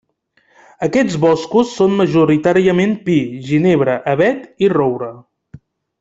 Aquests boscos són majoritàriament pi, ginebre, avet i roure.